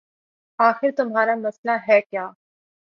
آخر تمہارا مسئلہ ہے کیا